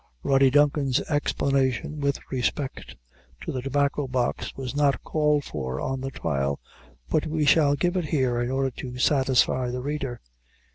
Rody Duncan's explanation, with respect to the Tobacco Box, was not called for on the trial, but we shall give it here in order to satisfy the reader.